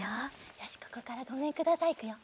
よしここから「ごめんください」いくよ。